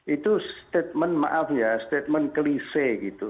itu statement maaf ya statement kelise gitu